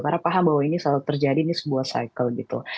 karena paham bahwa ini selalu terjadi ini sebuah cycle gitu